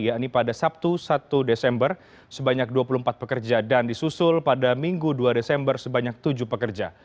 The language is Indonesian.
yakni pada sabtu satu desember sebanyak dua puluh empat pekerja dan disusul pada minggu dua desember sebanyak tujuh pekerja